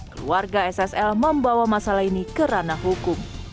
keluarga ssl membawa masalah ini kerana hukum